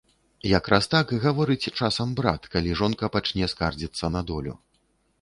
Якраз так гаворыць часам брат, калі жонка пачне скардзіцца на долю.